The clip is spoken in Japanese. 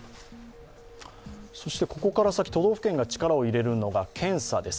ここから先、都道府県が力を入れるのが検査です。